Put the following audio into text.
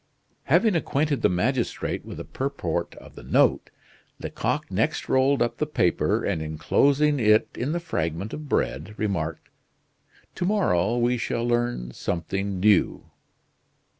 Having acquainted the magistrate with the purport of the note, Lecoq next rolled up the paper, and enclosing it in the fragment of bread, remarked: "To morrow we shall learn something new."